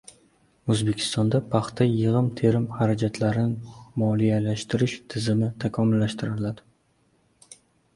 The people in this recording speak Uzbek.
O‘zbekistonda paxta yig‘im-terim xarajatlarini moliyalashtirish tizimi takomillashtiriladi